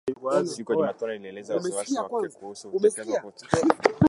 Siku ya Jumatano alielezea wasiwasi wake kuhusu kuteswa kwa wafungwa nchini Uganda.